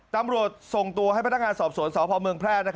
ตำรวจส่งตัวให้พนักงานสอบสวนสพเมืองแพร่